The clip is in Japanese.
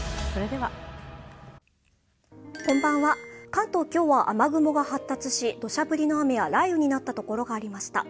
関東、今日は雨雲が発達しどしゃ降りの雨や雷雨になったところがありました。